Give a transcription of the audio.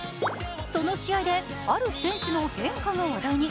その試合で、ある選手の変化が話題に。